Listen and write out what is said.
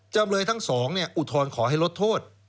จำเลยทั้งสองอุทธรณ์ขอให้ลดโทษ